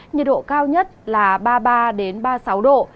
nhiệt độ cao nhất là ba mươi ba ba mươi sáu độ